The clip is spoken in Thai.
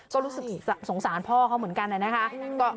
ก็รู้สึกสงสารพ่อเขาเหมือนกันนะคะ